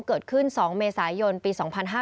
เกิดขึ้น๒เมษายนปี๒๕๕๙